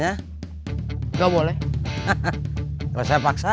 dia udah bicara sama kamu